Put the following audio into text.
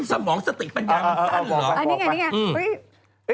สมองสติกเป็นอย่างตั้ง